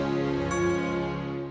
jangan lupa subscribe artikeen